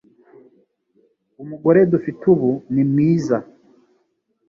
Umugore dufite ubu ni mwiza